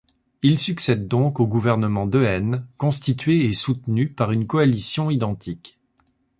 Il succède donc au gouvernement Dehaene, constitué et soutenu par une coalition identique.